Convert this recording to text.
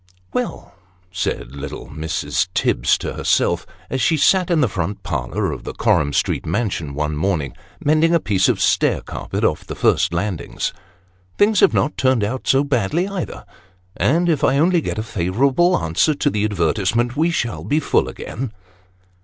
WELL !" said little Mrs. Tibbs to herself, as she sat in the front parlour of the Coram Street mansion one morning, mending a piece of stair carpet off the first landing; "Things have not turned out so badly, either, and if I only get a favourable answer to the advertise ment, we shall be full again."